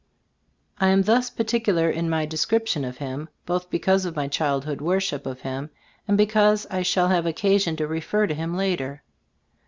I am thus particular in my descrip Cbe Storg of Ab Gbf Idbood 29 tion of him, both because of my child ish worship of him, and because I shall have occasion to refer to him later.